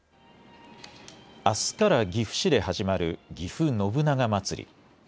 あすから岐阜市で始まるぎふ信長まつり。